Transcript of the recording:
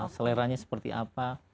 seleranya seperti apa